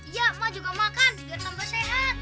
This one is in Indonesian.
ya ma juga makan biar tambah sehat